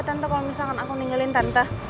tante kalau misalkan aku ningelin tante